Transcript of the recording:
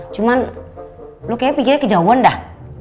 cuman lo kayaknya pikirnya kejauhan dah